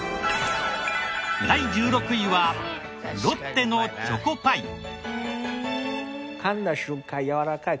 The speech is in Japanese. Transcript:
第１６位はロッテのチョコパイ。